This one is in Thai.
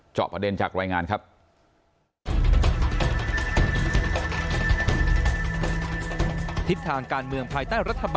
จอบประเด็นจากรายงานครับ